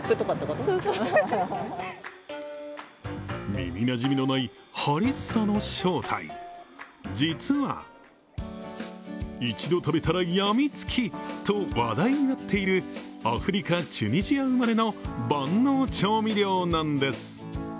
耳なじみのないハリッサの正体、実は一度食べたら病みつきと話題になっているアフリカ・チュニジア生まれの万能調味料なんです。